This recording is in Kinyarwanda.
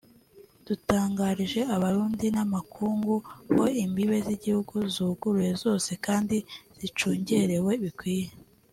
Dutangarije Abarundi n'amakungu ko imbibe z'igihugu zuguruye zose kandi zicungerewe bikwiye